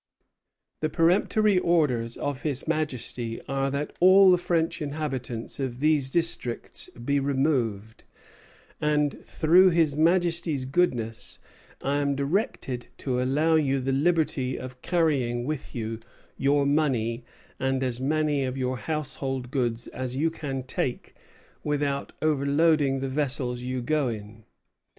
The peremptory orders of His Majesty are that all the French inhabitants of these districts be removed; and through His Majesty's goodness I am directed to allow you the liberty of carrying with you your money and as many of your household goods as you can take without overloading the vessels you go in.